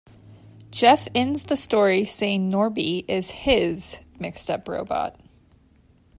Jeff ends the story saying Norby is "his" Mixed-Up Robot.